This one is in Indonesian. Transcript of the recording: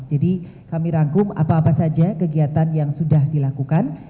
jadi kami rangkum apa apa saja kegiatan yang sudah dilakukan